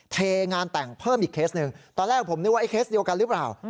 เทงานแต่งเพิ่มอีกเคสหนึ่งตอนแรกผมนึกว่าไอเคสเดียวกันหรือเปล่า